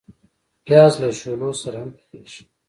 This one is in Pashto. پیاز له شولو سره هم پخیږي